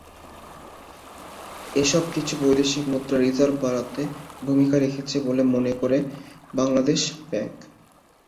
এসব কিছু বৈদেশিক মুদ্রার রিজার্ভ বাড়াতে ভূমিকা রেখেছে বলে মনে করে বাংলাদেশ ব্যাংক।